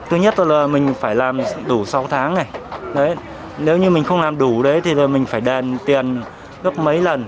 thứ nhất là mình phải làm đủ sáu tháng này nếu như mình không làm đủ thì mình phải đền tiền rất mấy lần